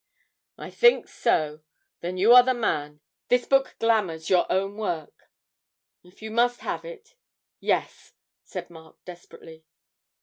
'I think so. Then you are the man this book "Glamour"'s your own work?' 'If you must have it yes,' said Mark desperately.